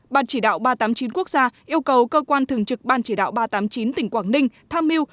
ban chỉ đạo ba trăm tám mươi chín quốc gia yêu cầu cơ quan thường trực ban chỉ đạo ba trăm tám mươi chín tỉnh quảng ninh tham mưu